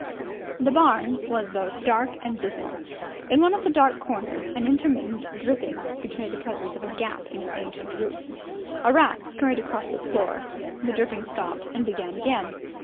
The barn was both dark and dismal. In one of the dark corners an intermittent dripping betrayed the presence of a gap in its ancient roof. A rat scurried across the floor. The dripping stopped and began again.